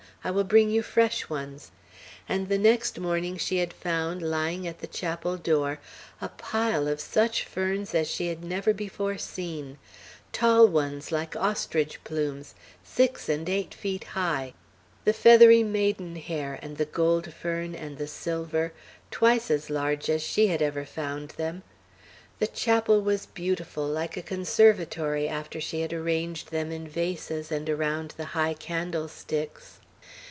I will bring you fresh ones;" and the next morning she had found, lying at the chapel door, a pile of such ferns as she had never before seen; tall ones, like ostrich plumes, six and eight feet high; the feathery maidenhair, and the gold fern, and the silver, twice as large as she ever had found them. The chapel was beautiful, like a conservatory, after she had arranged them in vases and around the high candlesticks.